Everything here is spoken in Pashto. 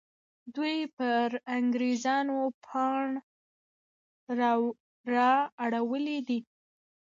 دوی پر انګریزانو پاڼ را اړولی دی.